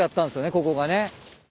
ここがね。